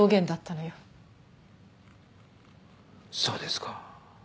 そうですか。